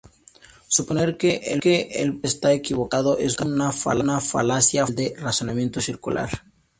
Suponer que el oponente está equivocado es una falacia formal de razonamiento circular.